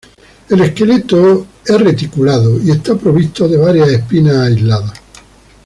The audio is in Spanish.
El esqueleto es reticulado, y está provisto de varias espinas aisladas.